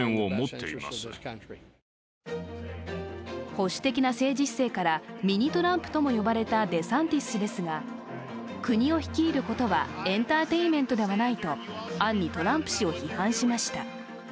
保守的な政治姿勢からミニトランプとも呼ばれたデサンティス氏ですが、国を率いることはエンターテインメントではないと暗にトランプ氏を批判しました。